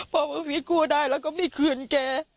พอบังฟิศกู้ได้แล้วก็ไม่คืนแก